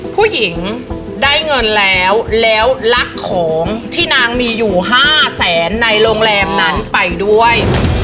ผู้หญิงได้เงินแล้วแล้วลักของที่นางมีอยู่๕แสนในโรงแรมนั้นไปด้วย